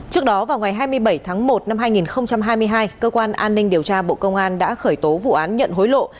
trước đó vào ngày hai mươi bảy tháng một năm hai nghìn hai mươi hai cơ quan an ninh điều tra bộ công an đã khởi tố vụ án nhận hối lộ